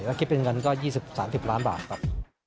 ก็คิดเป็นเงินก็๒๐๓๐ล้านบาทครับ